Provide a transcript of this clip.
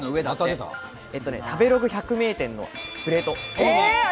食べログ百名店のプレート。